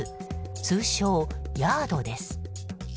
通称、ヤードです。